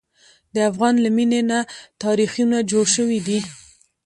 د افغان له مینې نه تاریخونه جوړ شوي دي.